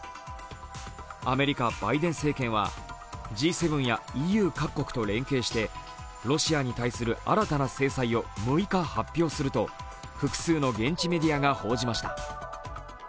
アメリカ・バイデン政権はＧ７やＥＵ各国と連携して、ロシアに対する新たな制裁を６日、発表すると複数の現地メディアが報じました。